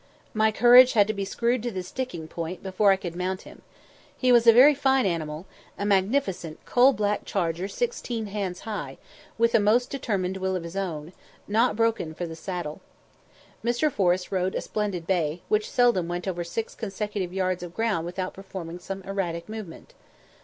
My courage had to be "screwed to the sticking point" before I could mount him. He was a very fine animal a magnificent coal black charger sixteen hands high, with a most determined will of his own, not broken for the saddle. Mr. Forrest rode a splendid bay, which seldom went over six consecutive yards of ground without performing some erratic movement.